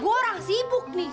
gue orang sibuk nih